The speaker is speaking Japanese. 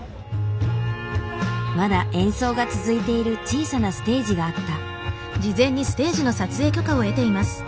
まだ演奏が続いている小さなステージがあった。